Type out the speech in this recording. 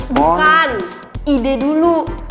bukan ide dulu